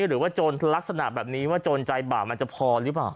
หรือว่าโจรลักษณะแบบนี้ว่าโจรใจบาปมันจะพอหรือเปล่า